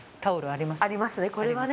ありますね